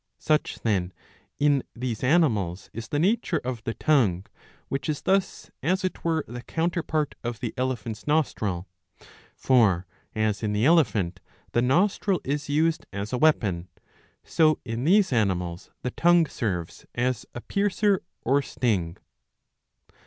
Such, then, in these animals is the nature of the tongue, which is thus as it were the counterpart of the elephant's nostril. For as in the elephant the nostril is used as a weapon, so in these animals the tongue serves as a piercer or sting.